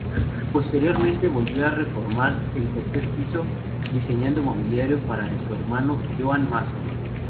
Posteriormente volvió a reformar el tercer piso, diseñando mobiliario para su hermano Joan Masó.